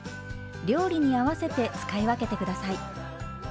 料理に合わせて使い分けて下さい。